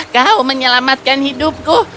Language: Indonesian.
kau menyelamatkan hidupku